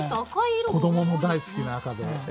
子どもの大好きな赤で。